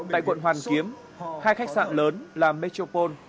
tại quận hoàn kiếm hai khách sạn lớn là metropole